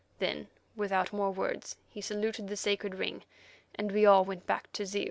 Then, without more words, he saluted the sacred ring, and we all went back to Zeu.